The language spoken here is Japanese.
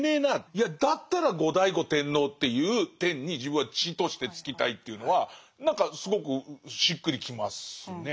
いやだったら後醍醐天皇という天に自分は地としてつきたいというのは何かすごくしっくりきますね。